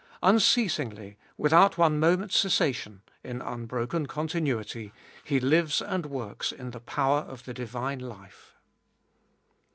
Unceasingly, without one moment's cessation, in unbroken continuity, He lives and works in the power of the divine life.